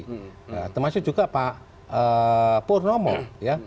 nah termasuk juga pak purnomo ya